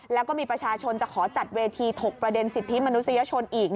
แล้วก็มีประชาชนจะขอจัดเวทีถกประเด็นสิทธิมนุษยชนอีก